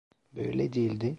Böyle değildi.